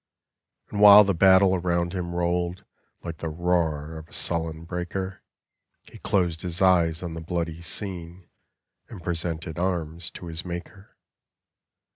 And while the battle around him rolled, Like the roar of a sullen breaker, He closed his eyes on the bloody scene, And presented arms to his Maker.